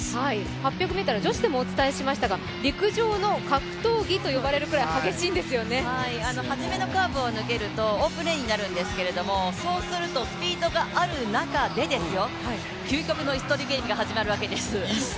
８００ｍは女子でもお伝えしましたが、陸上の格闘技といわれるぐらい初めのカーブを抜けるとオープンレーンになるんですけれどもそうするとスピードがある中で、究極の椅子取りゲームが始まるわけです。